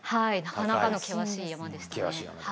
なかなかの険しい山でしたね。